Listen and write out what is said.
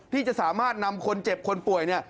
ที่จะสามารถนำคนเจ็บคนป่วยเนี่ย